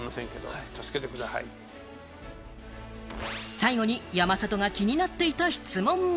最後に、山里が気になっていた質問も。